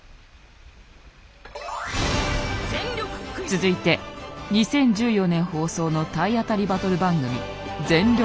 続いて２０１４年放送の体当たりバトル番組「全力クイズ」。